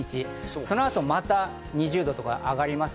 そのあと、また２０度とか上がります。